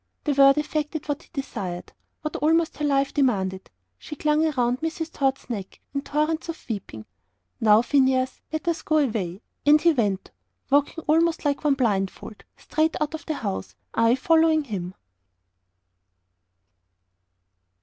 The word effected what he desired; what almost her life demanded. She clung round Mrs. Tod's neck in torrents of weeping. "Now, Phineas, let us go away." And he went, walking almost like one blindfold, straight out of the house, I following him.